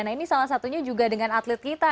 nah ini salah satunya juga dengan atlet kita